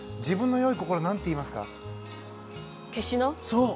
そう。